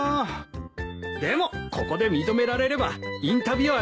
でもここで認められればインタビュアーに選ばれるはず。